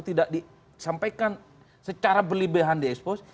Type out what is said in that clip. tidak disampaikan secara berlebihan di expose